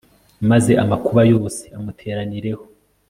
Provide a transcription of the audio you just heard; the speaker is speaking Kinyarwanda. maze amakuba yose amuteranireho